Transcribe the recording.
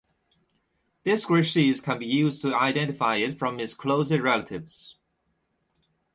This grey sheath can be used to identify it from its closest relatives.